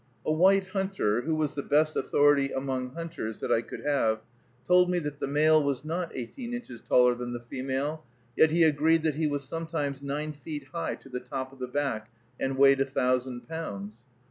A white hunter, who was the best authority among hunters that I could have, told me that the male was not eighteen inches taller than the female; yet he agreed that he was sometimes nine feet high to the top of the back, and weighed a thousand pounds.